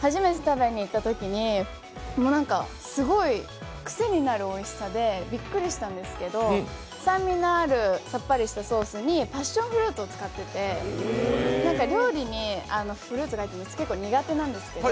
初めて食べに行ったときにすごいクセになるおいしさでびっくりしたんですけど酸味のあるさっぱりしたソースにパッションフルーツを使ってて、料理にフルーツが入ってるの結構苦手なんですけど